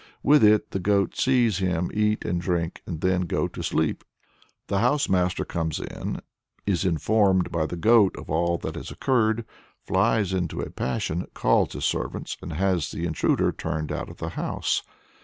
With it the goat sees him eat and drink and then go to sleep. The house master comes in, is informed by the goat of all that has occurred, flies into a passion, calls his servants, and has the intruder turned out of the house.